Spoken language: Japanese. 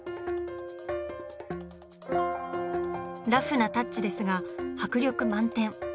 ラフなタッチですが迫力満点。